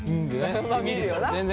まあ見るよな？